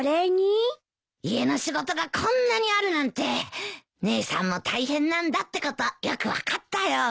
家の仕事がこんなにあるなんて姉さんも大変なんだってことよく分かったよ。